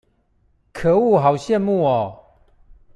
可惡好羨慕喔